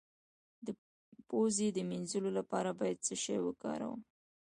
د پوزې د مینځلو لپاره باید څه شی وکاروم؟